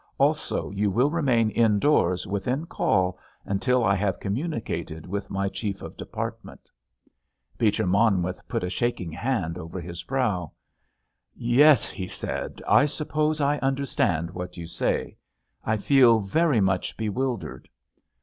Also you will remain indoors, within call, until I have communicated with my chief of department." Beecher Monmouth put a shaking hand over his brow. "Yes," he said, "I suppose I understand what you say. I feel very much bewildered."